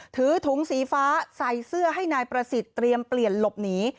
ถือถุงสีฟ้าใส่เสื้อให้นายประสิทธิ์เตรียมเปลี่ยนหลบหนี